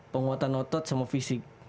penguatan otot sama fisik